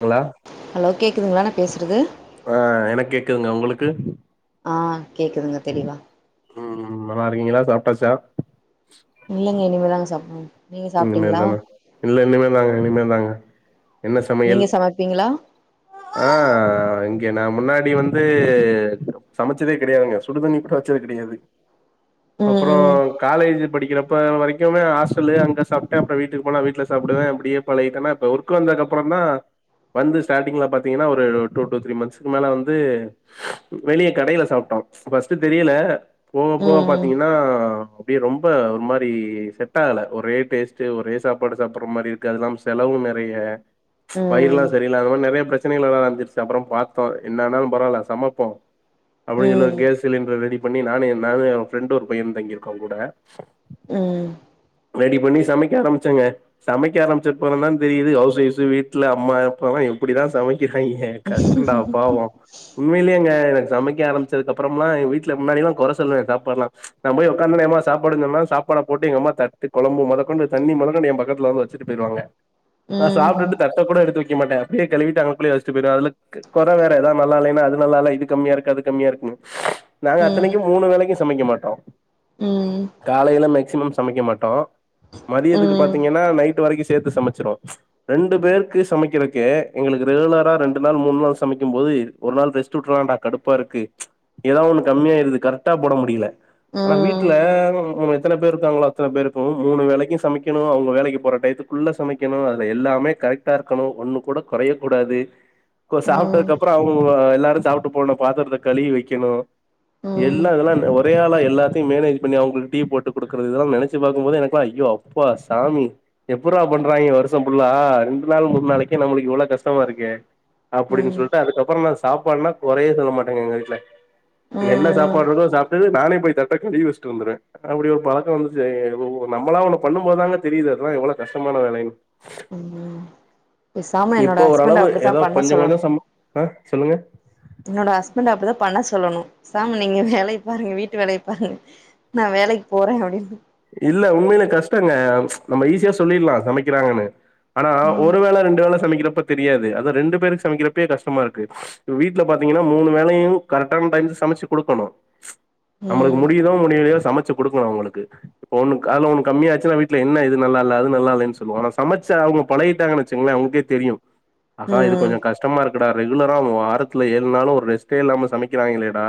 தோழா hello கேக்குதுங்ளா நா பேசுறது ஆ எனக் கேக்குதுங்க உங்களுக்கு ஆ கேக்குதுங்க தெளிவா ம் நல்லா இருக்கீங்களா சாப்ட்டாச்சா இல்லிங்க இனிமேதாங்க சாப்டனு நீங்க இனிமே சாப்ட்டீங்ளா தானா இல்ல இனிமே தாங்க இனிமே தாங்க என்ன சமையல் நீங்க சமப்பீங்களா ஆ இங்க நா முன்னாடி வந்து சமச்சதே கெடையாதுங்க சுடுதண்ணி கூட வெச்சது கெடையாது அப்புறோ ம் காலேஜு படிக்கிறப்ப வரைக்குமே ஹாஸ்டலு அங்க சாப்ட்டே அப்புற வீட்டுக்கு போனா வீட்ல சாப்புடுவே அப்புடியே பழகிடனா இப்ப ஒர்க் வந்தகப்பறந்தா வந்து ஸ்டாட்டிங்ல பாத்தீங்கன்னா ஒரு டூ டூ த்ரீ மந்த்ஸ்கு மேல வந்து வெளியே கடையில சாப்ட்டோ ஃபஸ்ட்டு தெரியல போக போக ம் பாத்தீங்கனா அப்டியே ரொம் ரொம்ப ஒரு மாரி செட்டகல ஒரே டேஸ்ட்டு ஒரே சாப்பாடு சாப்டுற மாரி இருக்கு அதெல்லாம் செலவும் நெறைய வயிரலா ம் சரியிலாத பொது நெறைய பிரச் சென்னைல வந்துச்சு அப்பறம் பாத்தோ என்னன்னாலும் பரவாயில்ல சமப்போம் அப்டின்னு சொல்லி ம் கேச சிலிண்டர் ரெடி பண்ணி நானும் என் நானும் ஃப்ரெண்டு ஒரு பையனும் தங்கியிருக்கோம் கூட ம் ரெடி பண்ணி சமைக்க ஆரம்பிச்சங்க சமைக்க ஆரம்பிச்ச அப்பறந்தா தெரியுது ஹவுஸ் ஓய்ஃபு வீட்ல அம்மா அப்பாலா எப்படிதா சமை ஃப்பாய்ங்க கஷ்டன்டா பாவோ உண்மையிலயேங்க எனக்கு சமைக்க ஆரம்பச்சதுக்கப்புறமா எங்க விட்ல முன்னாடிலா கொற சொல்வே சாப்பாட்லா நா போய் உக்காந்தொன்னே ஏம்மா சாப்பாடுன் சொன்னா சாப்பாட போட்டு எங்க அம்மா தட்டு குழம்பு மொதக்கொண்டு தண்ணி மொதக்கொண்டு எ பக்கத்ல வந்து வெ ச்சுட்டு போயிருவாங்க ம் நா சாப்ட்டுட்டு ம் தட்ட கூட எடுத்து வைக்க மாட்டே அப்டியே கழுவிட்டு அங்க க்குள்ளே வச்சுட்டு போய்டுவ அதுல க கொற வேற எதாவ் நல்லா இலைன்னா அது நல்லால்ல இது கம்மியா இருக்கு அது கம்மியா இருக்குன்னு நாங்க ம் ம் அத்தனைக்கு மூணு வேளைக்கு சமைக்க மாட்டோ ம் காலைல மேக்சிமம் சமைக்க மாட்டோ மதியத்துக்கு ம் பாத்தீங்க னா நைட் வரைக்கு சேத்து சமைச்சிருவோ ரெண்டு பேருக்கு சமைக்கிறக்கு எங்களுக் ரெகுலரா ரெண்டு நாள் மூணு நாள் சமைக்கும் போது ஒரு நாள் ரெஸ்ட் வுட்ரலான்டா கடுப்பா இருக்கு எதாவ் ஒன்னு கம்மியாயிருது கரெக்டா போட முடியல ஆனா வீட்ல [unintelligible] எத்தன பேர்ருக்காங்களோ அத்தன பேர்க்கு மூணு வேளைக்கு சமைக்கணு அவங்க வேலைக்கு போற டைத்துக்குள்ள சமைக்கணு அதுல எல்லாமே கரெக் ட்டா இருக்கணு ஒன்னு கூட கொறைய கூடாது கொ சாப்ட்டதுக்கு அப்றோ அவங்கவ்ங்க எல்லாரு சாப்ட்டு போன பாத்தரத்த கழுவி வைக்கணு ம் ம் ம் ம் எல்லா இதுலா இந்த ஒ ரே ஆளா எல்லாத்தையு மேனேஜ் பண்ணி அவங்களுக்கு டீ போட்டு குடுக்குறது இதெல்லா நெனைச்சு பாக்கும்போது எனக்குலா ஐயோ அப்பா சாமி எப்புறா பண்றாங்கே வருஷம் ஃபுல்லா ரண்டு நாள் மூண் நாளைக்கே நமளுக்கு இவ்ளோ கஷ் ஷ்டமா இருக்கே அப்டின் சொல்ட்டு அதுக்கப்றோ நா சாப்பாடுனா கொறையே சொல்ல மாட்டேங்க எங்க வீட்ல என்ன சாப்பாடுருக்கோ சாப்ட்டுது நானே போய் தட்ட கழுவி வச்சிட்டு வந்துருவ அப்டி ஒரு பழக்கோ வந்துச்சு ஒ ஒ நம்மளா ஒன்னு பண்ணும் போதாங்க தெரியுது அதுலா எவ்வளோ கஷ்டமான வேலைன்னு ம் ம் பேசாம என்னோட இப்போ ஹஸ்பண்ட் ஓரளவு அப்டித்தா ஏதோ பண்ண கொஞ்சோ கொஞ்சோ சொல்லணு சம் ஆ சொல்லுங்க என்னோட ஹஸ்பண்ட் அப்டிதா பண்ண சொல்லணு பேசாம நீங்க வேலை பாருங்க வீட்டு வேலை பாருங்க நா வேலைக்கு போறே அப்டின்னு இல்ல உண்மைலே கஷ்டங்க நம்ம ஈஸியா சொல்லிடுலா சமைக்கிறாங்கன்னு ஆனா ம் ஒரு வேள ரெண்டு வேள சமைக்கிறப்ப தெரியாது அத ரெண்டு பேருக்கு சமைக்கிறப்பே கஷ்டமா இருக்கு இப வீட்ல பாத்தீங்கன்னா மூணு வேளையு கரெக்டான டைம் சமைச்சு குடுக்கணு நம்மளுக்கு ம் முடியுதோ முடியலயோ சமைச்சு குடுக்கணு அவங்களுக்கு இப்போ ஒன்னு க ஆனா ஒன்னு கம்மியாச்சுன்னா வீட்ல என்ன இது நல்லால்ல அது நல்லால்லனு சொல்லுவோ ஆனா சமச்சா அவங்க பழகிட்டாங்கன் வச்சுங்களே உங்ளுக்கே தெரியு ஆகா இது ம் கொஞ்சொ கஷ்டமா இருக் குடா ரெகுலரா வாரத்துல ஏழு நாளு ஒரு ரெஸ்ட்டே இல்லாம சமைக்கிறாங்கலேடா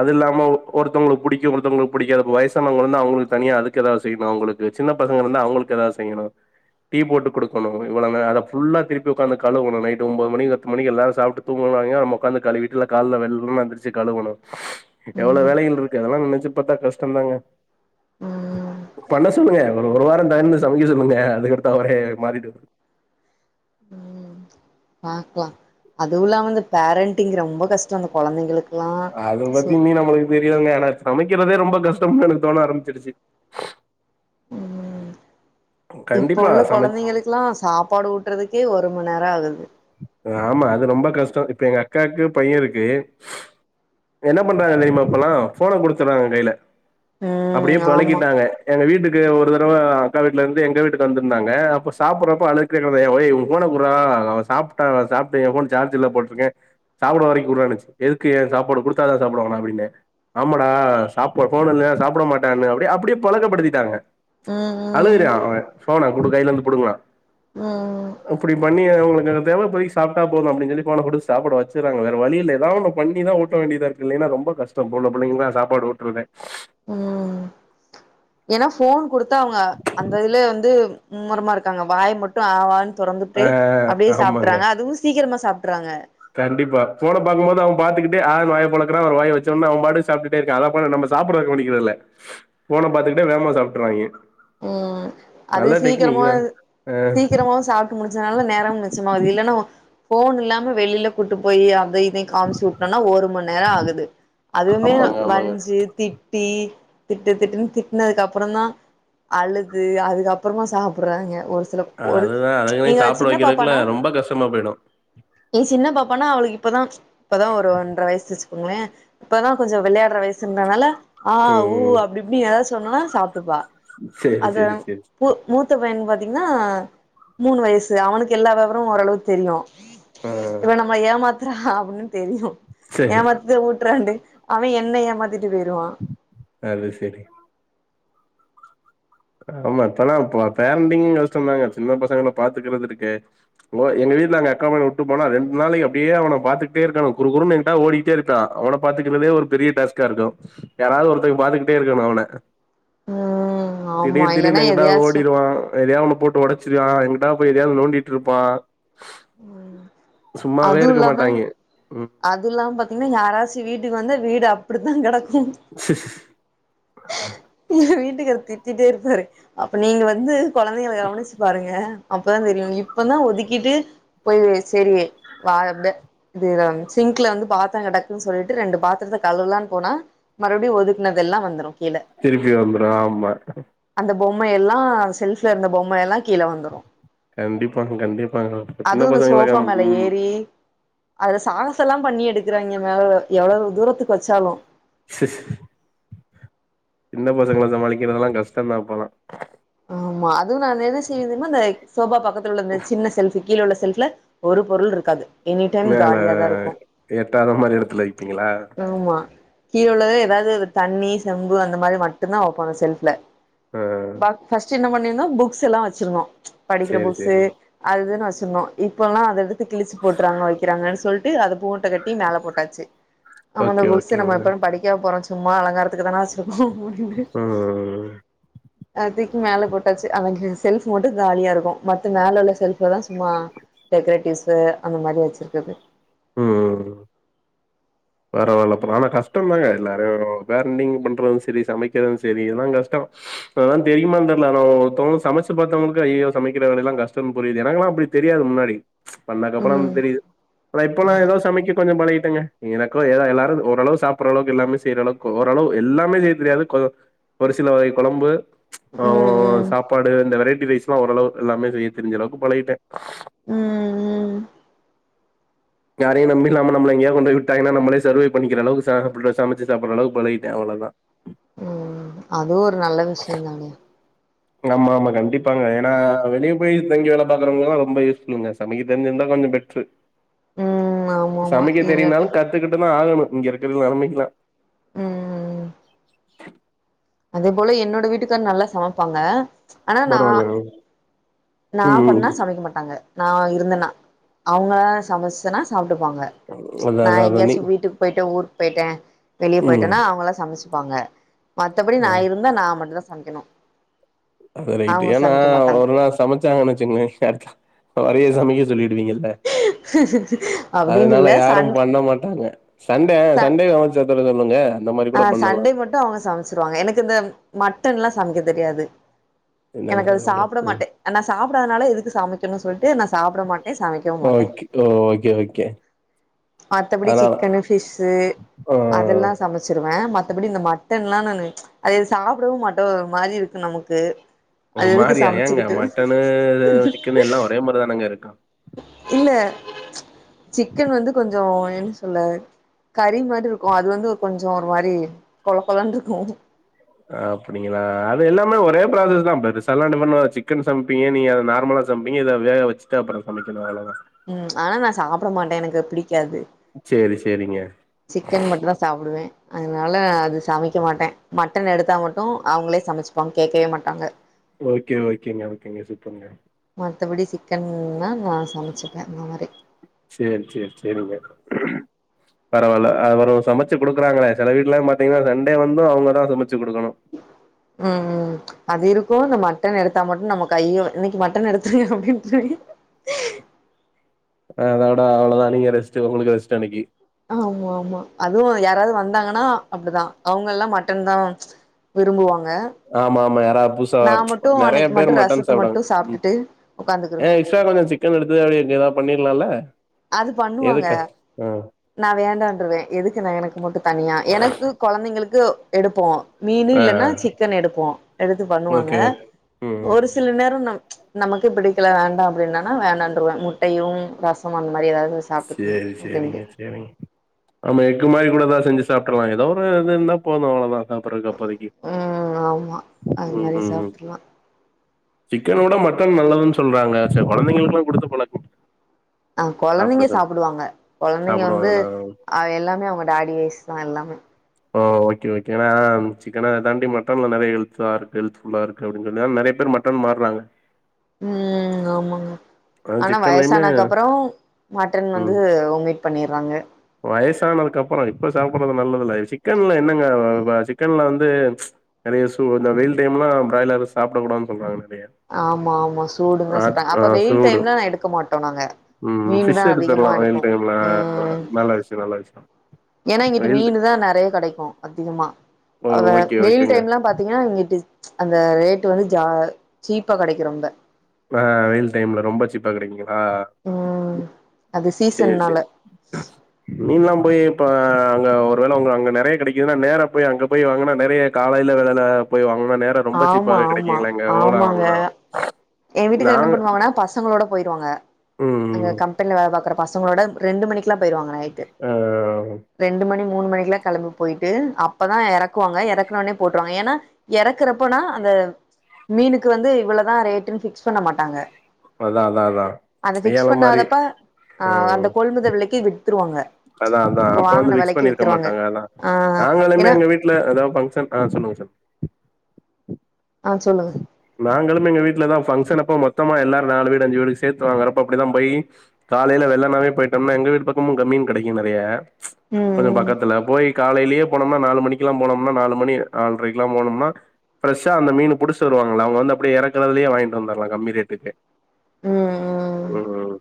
அது இல்லாம ஒ ஒருத்தவ்ங்களுக் பிடிக்கு ஒருத்தவ்ங்களுக் பிடிக்காது ப்ப வயசானவங்க வந் ந்தா அவங்களுக்கு தனியா அதுக்கு எதா செய்யணு அவங்களுக்கு சின்ன பசங்க இருந்தா அவங்களுக்கு எதா செய்யணு டீ போட்டு குடுக்கணு இவ்ளோ நே அத ஃபுல்லா திருப்பி உக்காந்து கழுவணு நைட்டு ஒம்போது மணி பத்து மணிக் எல்லாரு சாப்ட்டு தூங்குவாங்கே நம்ம உக்காந்து கழுவிட்டு இல்ல கால்ல வெள்ளனே எந்திருச்சு கழுவணு எவ்ளோ ம் வேலைகள் இருக்கு அதெல்லா நெனைச்சு பாத்தா கஷ்டந்தாங்க ம் பண்ண சொல்லுங்க ஒரு ஒரு வாரோ தந்து சமைக்க சொல்லுங்க அதுக்கடுத்து அவரே மாறிடுவா ம் பாக்லா அதுவு இல்லாம இந்த பேரண்டிங் ரொம்ப கஷ்டொ அந்த கொழந்தைங்களுக்கு அது பத்தியுமே நம்மளுக் தெரியுங்க எனா சமைக்கிறதே ரொம்ப கஷ்டம்னு எனக்கு தோண ஆரம்பிச்சிருச்சு இப்போ கண்டிப்பா உள்ள சமை கொழந்தைங்களுக்குல்லா சாப்பாடு ஊட்றதுக்கே ஒரு மண் நேரோ ஆகுது அ ஆமா அது ரொம்ப கஷ்டோ இப்ப எங்க அக்காக்கு பைய இருக்கு என்ன பண்றாங்க தெரியுமா இப்போலா ஃபோன குடுத்துறாங்க கைல அப்டியே ம் ஆமா பழக்கிட்டாங்க எங்க வீட்டுக்கு ஒரு தடவ அக்கா வீட்ல இருந்து எங்க வீட்டுக்கு வந்திருந்தாங்க அப்ப சாப்புடுறப்போ அழு [unintelligible] ஒய் ஒ ஃபோன குட்றா அவ சாப்ட்டா சாப்ட்டு எ போன் சார்ஜ் இல்ல போட்டுருக்கே சாப்புட வரைக்கு குடுறான்னுச்சு எதுக்கு ஏ சாப்பாடு குடுத்தாதா சாப்புடுவான்னா அப்டின்ன ஆமாடா சாப்ப ஃபோன் இல்ல சாப்புட மாட்டான்னு அப்டியே அப்டியே பழக்கப்படுத்திட்டாங்க ம் ம் அழகுறா அவெ ஃபோன குடு கைல இருந்து புடுங்குவ ம் அப்டி பண்ணியே அவங்களுக்கு தேவ இப்பதைக்கு சாப்ட்டா போது அப்டின் சொல்லி ஃபோன போட்டு சாப்பிட வெச்சர்றாங்க வேற வழி இல்ல எதாவொன்னு பண்ணிதா ஊட்ட வேண்டியதா இருக்கு இல்லனா ரொம்ப கஷ்ட இப்போ உள்ள பிள்ளைங்ளா சாப்பாடு ஊட்றதே ஏன்னா ஃபோன் குடுத்தா அவங்க அந்த இதுலே வந்து மும்மரமா இருக்காங்க வாய மட்டு ஆவானு ஆ தொறந்துட்டு அப்டியே ஆமாங்க சாப்ட்றாங்க அதுவு சீக்கரமா சாப்ட்றாங்க கண்டிப்பா ஃபோன பாக்கும் போது அவ பாத்துக்கிட்டு ஆன் வாய பொளக்கறா அப்ற வாய வெச்சோன அவம்பாட்டுக்கு சாப்டுட்டு இருக்கா அத போல நம்ம சாப்படத கவனிக்கறதில்ல ஃபோன பாத்துக்கிட்டே வேகமா சாப்ட்றாய்ங்க ம் அது சீக்கிரமு ஆ சீக்கிரமு சாப் ட்டு முடிச்சதுனால நேரமு மிச்சமாகுது இல்லன்னா ஃபோன் இல்லாம வெளியில கூட்டு போய் அதை இதையு காமிச்சு ஊட்னோனா ஒரு மண் நேர ஆகுது அதுமே ஆமாங்க ஆமாங்க வஞ்சு திட்டி திட்டு திட்டுன்னு திட்னதுக்கு அப்பறந்தா அழுது அதுக்கப்புறமா சாப்படுறாங்க ஒரு சில ஒரு அதுதா அதுகளயு எங்க சாப்பிட சின்ன வெக்கிறதுக்குல ரொம்ப கஷ்டமா போயிடு எ சின்ன பாப்பானா அவளுக்கு இப்பதா இப்பதா ஒரு ஒன்ற வயசு வெச்சுக்கோங்ளே இப்பதா கொஞ்ச விளையாடுற வயசுன்றனால ஆ ஊ ம் அப்டி இப்டின்னு எதாவது சொன்னோனா சாப்ட்டுப்பா சேரி அத சேரி சேரி பு மூத்த பையனுக் பாத்திங்னா மூணு வயசு அவனுக்கு எல்லா வெவரமு ஓரளவுக்கு தெரியு ஆ இவ நம்ம ஏமாத்தறா அப்படின்னு தெரியு சேரி ஏமாத் தி ஊட்றாணு அவ என்ன ஏமாத்திட்டு போயிருவா அது செரி ஆமா இப்பலா இப்ப பேரண்டிங்கு கஷ்டந்தாங்க சின்ன பசங்கள பாத்துக்கறது இருக்கே ஓ எங்க வீட்ல எங்க அக்கா பயன உட்டு போனா ரெண்டு நாளைக்கு அப்டியே அவன பாத்துகிட்டே இருக்கனு குறுகுறுனு எங்கிட்டாது ஓடிட்டே இரு க்கா அவன பாத்துக்கிறதே ஒரு பெரிய டாஸ்க்கா இருக்கு யாராது ஒருத்தர் பாத்துக்கிட்டே இருக்கணு அவன ம் ஆமா திடீர் இல்லன்னா திடீர்னு எங்கிட்டாது எதையாச்சு ஓடிருவா அப்ற எதையா ஒன்ன போட்டு ஒடைச்சிருவா எங்க்கிட்டா போய் எதையாது நோண்டிட்ருப்பா ம் சும்மாவே இருக்க மாட்டாய்ங்க ம் அதுல்லாம பாத்திங்னா யாராச்சி வீட்டுக்கு வந்தா வீடு அப்டித்தா கடக்கு ச எ வீட்டுகாரு திட்டிட்டே இருப்பாரு அப்ப நீங்க வந்து கொழந்தைகள கவனிச்சு பாருங்க அப்போதா தெரியு இப்பதா ஒதுக்கிட்டு போய் செரி வா து இது சிங்க்ல வந்து பாத்தர கெடக்குது சொல்ட்டு ரெண்டு பாத்தரத்த கழுவலான்னு போனா மறுபடி ஒதுக்குனதெல்லா வந்துரு கீழ திருப்பி வந்துரு ஆமா அந்த பொம்மைையெல்லா செல்ஃப்ல இருந்த பொம்மைையெல்லா கீழ வந்துரு கண்டிப்பாங்க கண்டிப்பாங்க சின்ன அதுவு இந்த பசங்கள சோஃபா கம் மேல ம் ஏறி அதுல சாகச எல்லா பண்ணி எடுக்கறாய்ங்க மேல எவ்வளவு தூரத்துக்கு வெச்சாலு ஷ் ஷ் சின்ன பசங்கள சமாளிக்கிறதெல்லா கஷ்டந்தா இப்பலா ஆமா அதுவு நா என்ன செய்வந்தெரிமா இந்த சோபா பக்கத்துல உள்ள இந்த சின்ன செல்ஃப் கீழ உள்ள செல்ஃப்ல ஒரு பொருள் இருக்காது எனி டைம் மேல காாலியாதா இருக்கு எட்டாத மாரி எடத்துல வைப்பீங்களா ஆமா கீழே உள்ளது எதாது தண்ணி செம்பு அந்த மாதிரி மட்டுந்தா வெப்பாங்க செல்ஃப்ல ஆ ப ஃபஸ்ட் என்ன பண்ணிருன்னோ புக்ஸ் எல்லா வெச்சிருன்னோ படிக்கிற சேரி புக்ஸு சேரி அது இதுன்னு வெச்சுற்ணு இப்பெல்லா அத எடுத்து கிழிச்சி போட்டுறாங்க வைக்கிறாங்கன் சொல்ட்டு அத போ ட்ட கட்டி மேல போட்டாச்சு நம்மன ஓகே புக்ஸ் நம்ம ஓகேங்க இப்ப படிக்கவா போற சும்மா அலங்காரத்துக்கதான வெச் இப்போ மூடிடு ம் அ தூக்கி மேல போட்டாச்சு அது செல்ஃப் மட்டு காலியா இருக்கு மத்த மேல உள்ள செல்ஃப்ல தா சும்மா டெக்ரேட்டிவ்ஸு அந்த மாரி வெச்சிருக்கது ம் வேற வேல அப்புற ஆனா கஷ்ட தாங்க எல்லாரு வே நீங்க பண்றது சரி சமைக்கற சரி எல்லா கஷ்ட அதா தெரியுமா தெர்ல நா தொ சமச்சு பாத்தவங்களுக்கு ஐயோ சமைக்கிற வேலலல்லா கஷ்டொன் புரியுது எனக்குல்லா அப்டி தெரியாது முன்னாடி பண்ணக்கப்புறம் ம் தெரியுது ஆனா இப்பல்லா ம் ஏதோ சமைக்க கொஞ்சொ பலகிட்டங்க எனக்கு ஏனா எல்லாரு ஓரளவு சாப்புட்ற அளவுக்கு எல்லாமே செய்ற அளவுக்கு ஓரளவு எல்லாமே செய்ய தெரியாது கொஞ்ச ஒரு சில வகை கொழம்பு ஆ ம் ம் சாப்பாடு இந்த வெரைட்டி ரைஸ்ல்லா ஓரளவு எல்லாமே செய்ய தெரிஞ்ச அளவுக்கு பழகிட்டே ம் ம் யாரையு நம்பி இல்லாம நம்மள எங்கயா கொண்டு விட்டங்கா நம்மளே சர்வை பண்ணிக்கிற அளவுக்கு சாப்புட்ற சமச்சு சாப்புட்ற அளவு பழகிட்டே அவ்ளதா ம் அதுவு ஒரு நல்ல விஷய தானே ஆமா ஆமா கண்டிப்பாங்க ஏன்னா வெளியே போய் தங்கி வேல பாக்குறவங்கல்லா ரொம்ப யூஸ்ஃபுள்ங்க சமைக்க தெரிஞ்சிருந்தா கொஞ்ச பெஸ்ட்டு ஆ சமைக்க தெரியனாலு கத்துக்கிட்டுதா ஆகணு இங்க இருக்குற நெலமைக்குலா ம் ம் ம் அதே போல என்னோட வீட்டுக்கார் நல்லா சமைப்பாங்க ஆனா நா பரவாலங்க நா பண்ணா சமைக்க மாட்டாங்க நா இருந்தேனா அவங்க சமைச்சன்னா சாப்ட்டுப்பாங்க அதா நா அதா அதா நீ எங்கேயாச்சு வீட்டுக்கு போயிட்டே ஊருக்கு போயிட்டே வெளியே ம் போயிட்டேன்னா அவங்களா சமச்சு ப்பாங்க மத்தபடி நா அதா இருந்தா நா மட்டு தா சமைக்கணு அது ரைட்டு அவங்க ஏன்னா சமைக்க மாட்டாங்க ஒரு நாள் சமச்சாங்கன்னு வெச்சுக்கங்கய ஷட் அவரைய சமைக்க சொல்லிடுவீங்கள்ல அப்டின்னு அதனால இல்ல யாரு சண் பண்ண மாட்டாங்க சண்டே ச சண்டே சமச்சுதர சொல்லுங்க அந்த மாரி கூட பண்ணலா டு அவங்க சமச்சிருவாங்க எனக்கு இந்த மட்டன்ல்லா சமைக்க தெரியாது என்னங்க எனக்கு அது சாப்புட சொல்றீங்க மாட்டே அ நா சாப்டாதனால எதுக்கு சமைக்கணு சொல்ட்டு நா சாப்ட மாட்டே சமைக் ஓகே ஓ ஓகே ஓகே மத்தபடி அதனால சிக்கனு ஃபிஷ்ஷு ஆ அதெல்லா சமச்சிருவே மத்தபடி இந்த மட்டன்லா நானு அது சாப்டவு மாட்ட ஒரு மாரி இருக்கு நமக்கு ஒரு அது எதுக்கு மாரியா ஏங்க சமைச்சுக்கிட்டு மட்டனு சிக்கனு எல்லா ஒரே மாரிதானங்க இருக்கு இல்ல சிக்கன் வந்து கொஞ்சோ என்ன சொல்ல கறி மாரி இருக்கு அது வந்து கொஞ்சோ ஒரு மாரி கொழ கொழன்ருக்கு அப்டிங்களா அது எல்லாமே ஒரே ப்ராசஸ் தா பெருசால [unintelligible] பண்ண சிக்கன் சம் பீங்க நீங்க அத நார்மலா சமப்பீங்க இத வேக வெச்சுட்டு அப்புற சமப்பீங்க அவ்ளதா ம் ஆனா நா சாப்புட மாட்டே எனக்கு அ பிடிக்காது சேரி சேரிங்க சிக்கன் மட்டுதா சாப்டுவே அதுனால அது சமைக்க மாட்டே மட்டன் எடுத்தா மட்டு அவங்களே சமச்சப்பாங்க கேக்கவே மாட்டாங்க ஓகே ஓகேங்க ஓகேங்க சுப்பர்ங்க மத்தபடி சிக்கன்னா நா சமச்சுப்பே அந்த மாரி சேரி சேரி சேரிங்க பரவால்ல அ வரு சம சமைச்சு குடுக்குறாங்களே சேல வீட்டுல பாத்தீங்கன்னா சண்டே வந்து அவங்க தா சமைச்சு கொடுக்கணு உம் உம் அது இருக்கு இந்த மட்டன் எடுத்தா மட்டு நம்ம கையோ இன்னைக்கு மட்டன் எடுத்து அப்படின்னு ஆ அதோட அவ்வளதா நீங்க ரெஸ்டு உங்களுக்கு ரெஸ்டு அன்னைக்கு ஆமா ஆமா அதுவு யாராவது வந்தாங்கன்னா அப்படிதா அவங்க எல்லா மட்டன்தா விரும்புவாங்க ஆமா ஆமா யாராது பு துசா நா மட்டு நெறையா அன்னைக்கு பேர் மட்டு மட்டன் ரசத்த சாப்டாங்க மட்டு சாப்ட்டுட்டு ஏ உக்காந்துக்குருவே சார் வந்துடுச்சு சிக்கன் எடுத்தத்து அப்படியே இங்க எதாவது பண்ணிடலால்ல அது பண்ணுவாங்க நா வேண்டான்ருவே எதுக்கு நா எனக்கு மட்டு தனியா எனக்கு கொழந்தைங்களுக்கு எடுப்போ மீனு ஆ இல்லன்னா சிக்கன் எடுப்போ எடுத்து பண்ணுவாங்க ஓகே ஓகே ம் ஒரு சி ஒரு சில நேரம் நம் ம்ச் நமக்கே பிடிக்கல வேண்டா அப்படின்னனா வேண்டாம்னுருவே முட்டையும் ரச ம் அந்த மாரி ஏதாவது சாப்ட்டுக்கலா சேரி அப்டின்ட்டு சேரிங்க சேரிங்க ஆமா எக்கு மாரி கூடதா செஞ்சு சாப்பிட்டுர்லா ஏதோ ஒரு இது இருந்தா போது அவ்ளோதா சாப்புடுரதுக்கு அப்போதைக்கு ம் ஆமா அது உம் மாரி உம் உம் சாப்ட்ரலா சிக்கன விட மட்டன் நல்லதுன்னு சொல்றாங்க சரி கொழந்தைங்களுக்கு எல்லா குடுத்து பழகுங் ஆ கொழந்தைங்க சாப்பிடுவாங்க கொழந்தைங்க வந்து சாப்டுவாங்களா எல்லாமே அவங்க டாடி விஷ் தா எல்லாமே ஓ ஓக்கே ஓக்கேனா சிக்கனா தாண்டி மட்டன்ல நெறைய ஹெல்தா இருக்கு ஹெல்தஃபுல்லா இருக்கு அப்படின்ரதுனால நெறையா பேர் மட்டன் மாறாங்க உம் ஆமா ஆனா வயசானக்கு அப்புறோ மட்டன் வந்து ம் ஒமிட் பண்ணிறாங்க வயசானதுக்கு அப்புறோ இப்ப சாப்பிடடுறது நல்லதுல்ல சிக்கன்ல என்னங்க சிக்கன்ல வந்து ம்ச் நெறைய சூ இந்த வெயில் டைம் எல்லா பிராய்லர் சாப்பிட கூடாதுனு சொல்றாங்க நெறையா ஆமா ஆமா சூடுன்தா சொல்றாங்க அப்ப வெயில் சூடு டைம்ல நா எடுக்க மாட்டோ நாங்க ம் மீன் ஃபிஷ் எடுத்துரலா வெயில் டைம்ல நல்லா விஷயோ நல்ல விஷயோ ஏன்னா இங்குட்டு வெயில் மீன் தா நெறையா கெடைக்கு அதிகமா ஓ அவ ஓகே வெயில் ஓகேங்க டைம் எல்லா பாத்தீங்கன்னா இங்கிட்டு அந்த ரேட்டு வந்து ஜா சீப்பா கெடைக்கு ரொம்ப ப வெயில் டைம்ல ரொம்ப சீப்பா கெடைக்குங்களா உம் சேரி சேரி மீன்லா போய் இப்ப அங்க ஒருவேளை அவங்க அங்க நெறைய கெடைக்குதுன்னா நேர போய் அங்க போய் வாங்கன்னா நெறைய காலையில வெள்ளன்ன போய் வாங்கனா நேர ரொம்ப ஆமா சீப்பாவவே கெடைக்குங்களா எங்க ஓலா வாங்கனா எ வீட்டுக்கார்ரு என்ன பண்ணுவாங்கன்னா பசங்களோட போயிடுவாங்க ம் அங்க கம்பனில்ல வேல பாக்குற பசங்களோட ரெண்டு மணிக்கெல்லா போயிடுவாங்க நைட்டு ஆ ரெண்டு மணி மூணு மணிக்குல்லா கெளம்பி போயிட்டு அப்பதா எறக்குவாங்க எறக்குனோனே போட்டுருவாங்க ஏன்னா எறக்குறப்போனா அந்த மீனுக்கு வந்து இவ்வளோதா ரேட்டுன்னு பிக்ஸ் பண்ண மாட்டாங்க அதா அதா அதா அத பிக்ஸ் ஏல மாரி பண்ணாதப்பா ஆ அந்த ம் கொள்முதல் விலைக்கு வித்துருவாங்க அதா அதா அப்ப வந்து வாங்குன பிக்ஸ் வெலைக்கு பண்ணிருக்க வித்துருவாங்க மாட்டாங்க அதா ஆ நாங்களுமே ஏன்னா எங்க வீட்டு இல்ல ஏதாவது பங்க்ஷன் ஆ சொல்லுங்க சொல்லு ஆ சொல்லுங்க நாங்களுமே எங்க வீட்டுலதா பங்க்ஷன் அப்ப மொத்தமா எல்லாரு நாலு வீடு அஞ்சு வீடு சேத்து வாங்கறப்ப அப்டிதா போய் காலையில வெள்ளண்ணாவே போயிட்டோம்னா எங்க வீட்டு பக்கமு கம் மீன் கிடைக்கு நெறைய கொஞ்சோ ம் பக்கத்துல போய் காலையிலேயே போனம்னா நாலு மணிக்கெல்லா போனம்னா நாலு மணி நால்ரைக்குலா போனம்னா ஃபிரஷ் ஆ அந்த மீன் புடி வாங்களா அவுங்க வந்து அப்டியே இறக்குகறதுலயே வாங்கிட்டு வந்துரலா கம்மி ரேட்டுக்கே ம் ம் ம் ம்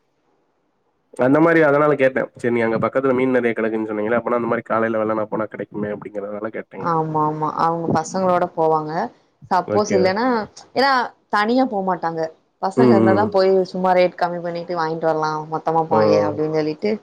அந்த மாரி அதனால கேட்டே சேரி நீங்க பக்கத்துல மீன் நெறைய கிடக்குன்னு சொன்னீங்களா அப்பனா அந்த மாரி காலைல வெள்ளனா போனா கிடைக்கு மே அப்டிங்களால கேட் ஆமா ஆமா அவ்ங்க பசங்களோட போவாங்க சப்போஸ் ஓகே இல்லன்னா எனா தனியா போமாட்டாங்க பசங்க ம் இந்தா தா ம் போய் சும்மா ரேட் கம் பண்ணிடு வாங்கிட் வரலா மா சும்மா போங்கயா ஓ அப்டினு சொல்லிட்டு